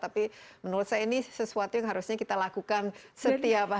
tapi menurut saya ini sesuatu yang harusnya kita lakukan setiap hari